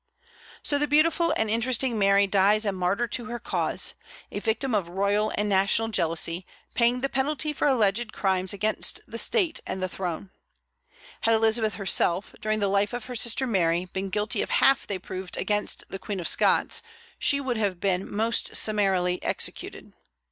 So the beautiful and interesting Mary dies a martyr to her cause, a victim of royal and national jealousy, paying the penalty for alleged crimes against the state and throne. Had Elizabeth herself, during the life of her sister Mary, been guilty of half they proved against the Queen of Scots, she would have been most summarily executed.